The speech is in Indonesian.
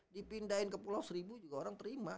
dipindahin ke pulau seribu juga orang terima